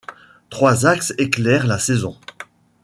Trois axes éclairent la saison.